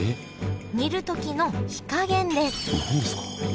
煮る時の火加減です。